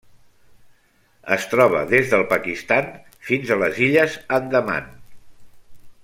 Es troba des del Pakistan fins a les Illes Andaman.